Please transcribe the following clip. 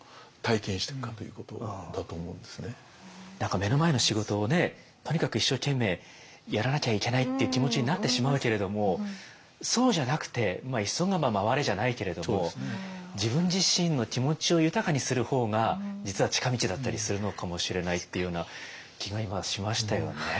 何か目の前の仕事をねとにかく一生懸命やらなきゃいけないっていう気持ちになってしまうけれどもそうじゃなくて「急がば回れ」じゃないけれども自分自身の気持ちを豊かにする方が実は近道だったりするのかもしれないっていうような気が今しましたよね。